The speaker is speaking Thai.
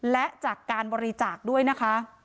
และจากการบริจาคด้วยนะคะ